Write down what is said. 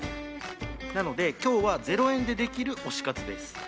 なので今日は０円でできる推し活です。